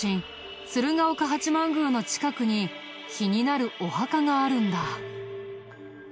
鶴岡八幡宮の近くに気になるお墓があるんだ。